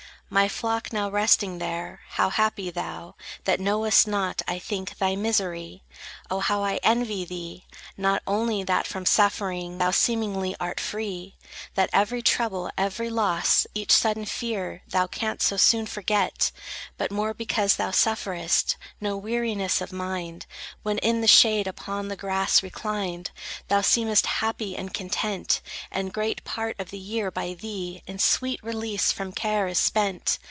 My flock, now resting there, how happy thou, That knowest not, I think, thy misery! O how I envy thee! Not only that from suffering Thou seemingly art free; That every trouble, every loss, Each sudden fear, thou canst so soon forget; But more because thou sufferest No weariness of mind. When in the shade, upon the grass reclined, Thou seemest happy and content, And great part of the year by thee In sweet release from care is spent.